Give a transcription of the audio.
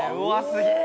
すげえ